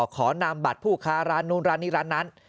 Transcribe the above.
ขอนำบัตรผู้ค้าร้านนู้นร้านนี้ร้านนั้น